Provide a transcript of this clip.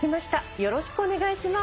よろしくお願いします。